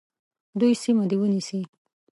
دوی سیمه دي ونیسي.